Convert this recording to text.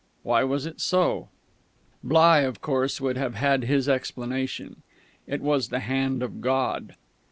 Why was it so? Bligh, of course, would have had his explanation: it was the Hand of God.